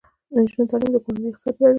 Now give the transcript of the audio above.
د نجونو تعلیم د کورنۍ اقتصاد پیاوړی کوي.